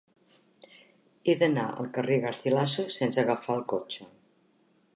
He d'anar al carrer de Garcilaso sense agafar el cotxe.